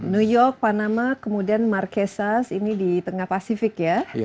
new york panama kemudian marquesas ini di tengah pasifik ya